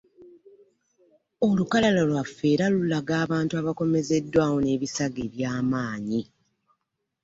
Olukalala lwaffe era lulaga abantu abakomezeddwawo n'ebisago ebyamanyi